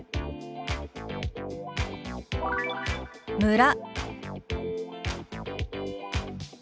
「村」。